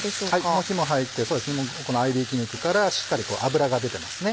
もう火も入ってこの合いびき肉からしっかり脂が出てますね。